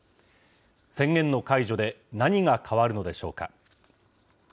宣言の解除で何が変わるのでしょうか。